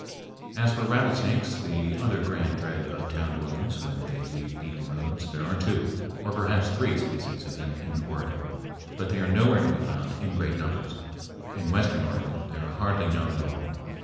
As for rattlesnakes, the other grand dread of town dwellers when they leave beaten roads, there are two, or perhaps three, species of them in Oregon. But they are nowhere to be found in great numbers. In western Oregon they are hardly known at all.